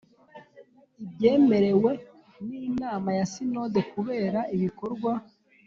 ubyemerewe n inama ya Sinode kubera ibikorwa